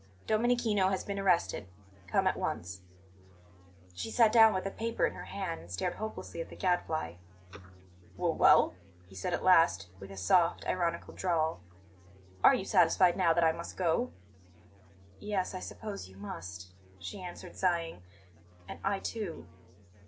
"DOMENICHINO HAS BEEN ARRESTED. COME AT ONCE." She sat down with the paper in her hand and stared hopelessly at the Gadfly. "W well?" he said at last, with his soft, ironical drawl; "are you satisfied now that I must go?" "Yes, I suppose you must," she answered, sighing. "And I too."